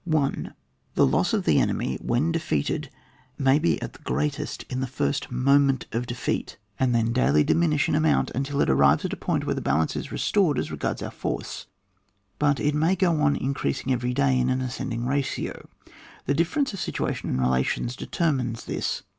1. The loss of the enemy when de feated, may be at the greatest in the first moment of defeat, and then daily di 36 OX WAR. [book vn. minish in amount until it arrives at a point where the balance is restored as regards our force ; but it may go on in creasing every day in an ascending ratio. The difference of situation and relations determines this.